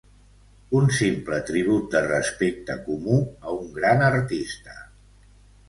Un simple tribut de respecte comú a un gran artista.